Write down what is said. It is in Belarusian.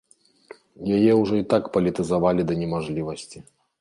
Яе ўжо і так палітызавалі да немажлівасці!